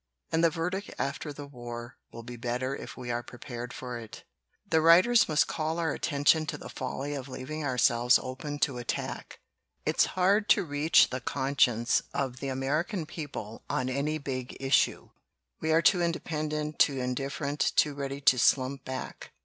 And the verdict after the war will be better if we are prepared for it. The writers must call our attention to the folly of leaving ourselves open to attack. 68 "MOVIES" BENEFIT LITERATURE '' It's hard to reach the conscience of the Ameri can people on any big issue. We are too indepen dent, too indifferent, too ready to slump back.